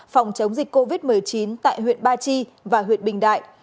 phòng chống dịch covid một mươi chín tại huyện ba chi và huyện bình đại